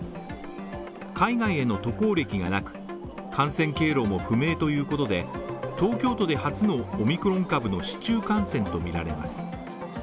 海外への渡航歴がなく、感染経路不明ということで、東京都で初のオミクロン株の市中感染とみられます。